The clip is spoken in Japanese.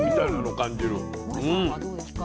もえさんはどうですか？